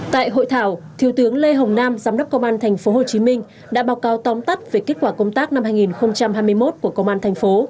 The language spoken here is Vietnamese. tại hội thảo thiếu tướng lê hồng nam giám đốc công an tp hcm đã báo cáo tóm tắt về kết quả công tác năm hai nghìn hai mươi một của công an thành phố